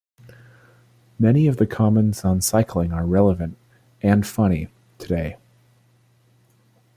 Many of the comments on cycling are relevant-and funny-today.